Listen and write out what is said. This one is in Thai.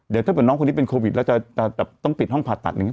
เดี๋ยวถ้าเกิดน้องคนนี้เป็นโควิดแล้วจะต้องปิดห้องผ่าตัดอย่างนี้